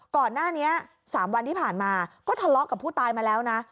ก่อนหน้านี้๓วันที่ผ่านมาก็ทะเลาะกับผู้ตายมาแล้วนะ